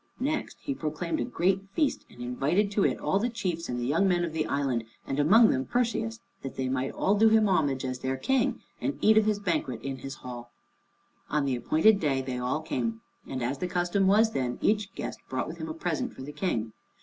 Next he proclaimed a great feast and invited to it all the chiefs and the young men of the island, and among them Perseus, that they might all do him homage as their King, and eat of his banquet in his hall. On the appointed day they all came, and as the custom was then, each guest brought with him a present for the King.